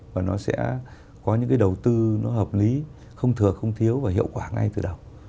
và nó sẽ có những cái đầu tư nó hợp lý không thừa không thiếu và hiệu quả ngay từ đầu